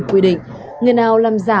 quy định người nào làm giả